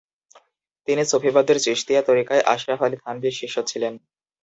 তিনি সুফিবাদের চিশতিয়া তরিকায় আশরাফ আলী থানভীর শিষ্য ছিলেন।